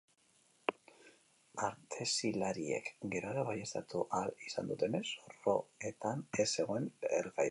Artezilariek gerora baieztatu ahal izan dutenez, zorroetan ez zegoen lehergairik.